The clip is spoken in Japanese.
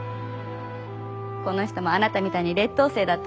この人もあなたみたいに劣等生だったのよ。